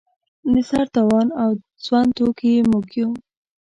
د سر تاوان او سوند توکي یې موږ یو.